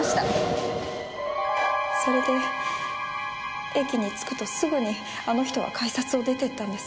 それで駅に着くとすぐにあの人は改札を出て行ったんです。